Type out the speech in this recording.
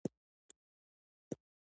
پینځه زره افغانۍ مي ورکړې !